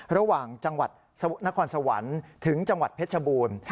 ระหว่างจังหวัดนครสวรรค์ถึงจังหวัดเพชรบูรณ์